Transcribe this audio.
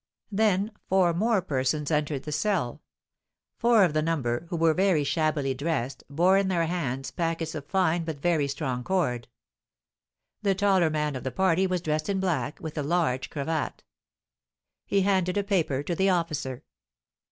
Then four more persons entered the cell; four of the number, who were very shabbily dressed, bore in their hands packets of fine but very strong cord. The taller man of the party was dressed in black, with a large cravat; he handed a paper to the officer.